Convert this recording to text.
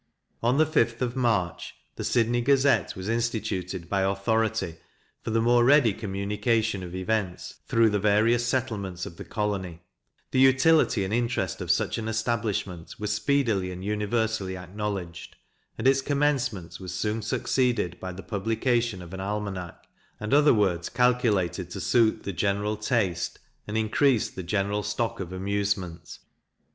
On the 5th of March, "The Sydney Gazette" was instituted by authority, for the more ready communication of events through the various settlements of the colony The utility and interest of such an establishment were speedily and universally acknowledged; and its commencement was soon succeeded by the publication of an almanack, and other works calculated to suit the general taste and increase the general stock of amusement.